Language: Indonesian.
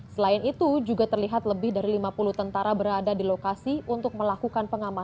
selain itu juga terlihat lebih dari lima puluh tentara berada di lokasi untuk melakukan pengamanan